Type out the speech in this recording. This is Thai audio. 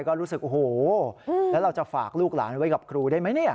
ก็รู้สึกโอ้โหแล้วเราจะฝากลูกหลานไว้กับครูได้ไหมเนี่ย